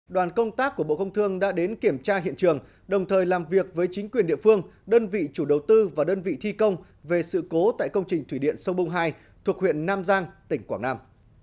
đoàn công tác của bộ công thương đã đến kiểm tra hiện trường đồng thời làm việc với chính quyền địa phương đơn vị chủ đầu tư và đơn vị thi công về sự cố tại công trình thủy điện sông bung hai thuộc huyện nam giang tỉnh quảng nam